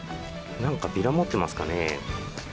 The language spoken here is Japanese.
なんかビラ持ってますかね。